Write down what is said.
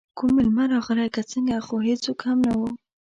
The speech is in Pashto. کوم میلمه راغلی که څنګه، خو هېڅوک هم نه وو.